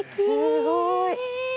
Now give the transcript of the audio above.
すごい！